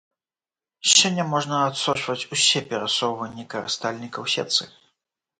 Сёння можна адсочваць усе перасоўванні карыстальніка ў сетцы.